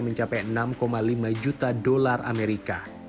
mencapai enam lima juta dolar amerika